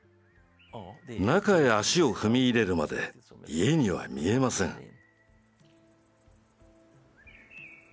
中へ足を踏み入れるまで家には見えません。